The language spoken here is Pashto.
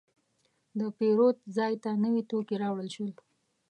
د پیرود ځای ته نوي توکي راوړل شول.